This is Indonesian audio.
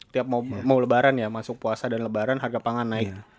tiap mau lebaran ya masuk puasa dan lebaran harga pangan naik